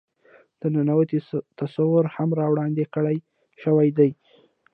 د ننواتې تصور هم را وړاندې کړے شوے دے.